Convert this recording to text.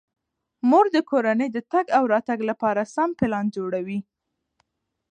مور د کورنۍ د تګ او راتګ لپاره سم پلان جوړوي.